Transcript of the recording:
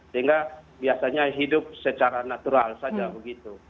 sehingga biasanya hidup secara natural saja begitu